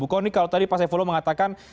bu kony kalau tadi pak saifullah mengatakan